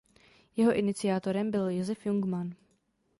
Jeho iniciátorem byl Josef Jungmann.